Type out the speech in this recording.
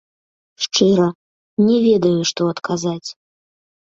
Шчыра, не ведаю, што адказаць.